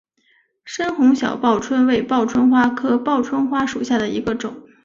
深红小报春为报春花科报春花属下的一个种。